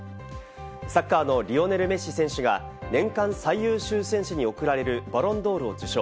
サッカーのリオネル・メッシ選手が年間最優秀選手に贈られるバロンドールを受賞。